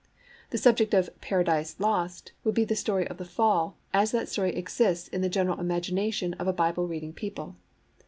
The subject of Paradise Lost would be the story of the Fall as that story exists in the general imagination of a Bible reading people.